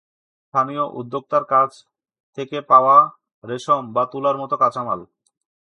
স্থানীয় উদ্যোক্তার কাছ থেকে পাওয়া রেশম বা তুলার মতো কাঁচামাল।